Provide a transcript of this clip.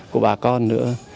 của bà con nữa